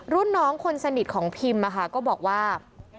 รุ่นน้องคนสนิทของพิมก็บอกว่า